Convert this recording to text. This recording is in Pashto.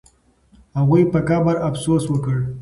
هغوی په قبر افسوس وکړ.